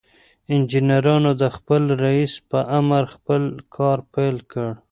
انجنيرانو د خپل رئيس په امر خپل کار پيل کړ.